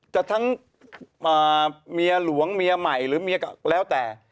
จะทั้งเมียหลวงเมียใหม่หรือเมียก็แล้วแต่